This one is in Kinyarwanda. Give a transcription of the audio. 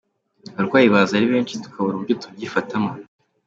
Abarwayi baza ari benshi tukabura uburyo tubyifatamo.